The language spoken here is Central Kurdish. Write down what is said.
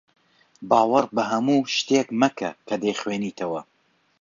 باوەڕ بە هەموو شتێک مەکە کە دەیخوێنیتەوە.